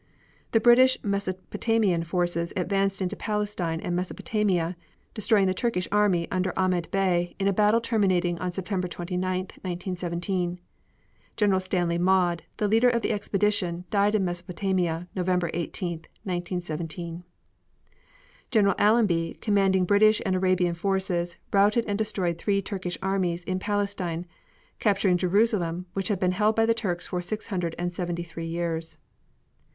The British Mesopotamian forces advanced into Palestine and Mesopotamia, destroying the Turkish army under Ahmed Bey in a battle terminating September 29, 1917. General Stanley Maude, the leader of the expedition, died in Mesopotamia November 18, 1917. General Allenby commanding British and Arabian forces, routed and destroyed three Turkish armies in Palestine, capturing Jerusalem which had been held by the Turks for six hundred and seventy three years.